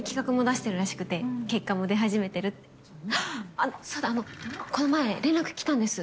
あっそうだあのこの前連絡来たんです。